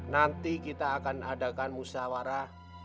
nanti kita akan adakan musyawarah